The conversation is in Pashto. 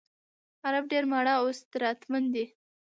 عرب ډېر ماړه او اسراتمن دي.